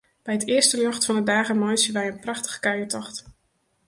By it earste ljocht fan 'e dage meitsje wy in prachtige kuiertocht.